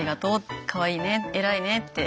かわいいね偉いね」って言って。